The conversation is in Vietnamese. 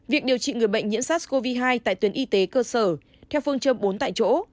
việc điều trị người bệnh nhiễm sars cov hai tại tuyến y tế cơ sở theo phương châm bốn tại chỗ